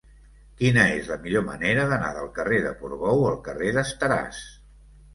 Quina és la millor manera d'anar del carrer de Portbou al carrer d'Esteràs?